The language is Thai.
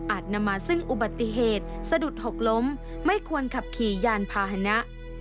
นำมาซึ่งอุบัติเหตุสะดุดหกล้มไม่ควรขับขี่ยานพาหนะ